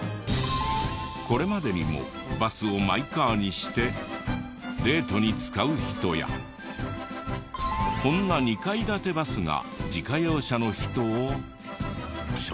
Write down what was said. これまでにもバスをマイカーにしてデートに使う人やこんな２階建てバスが自家用車の人を紹介したけど。